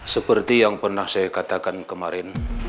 seperti yang pernah saya katakan kemarin